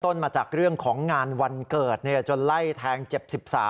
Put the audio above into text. มาจากเรื่องของงานวันเกิดจนไล่แทงเจ็บ๑๓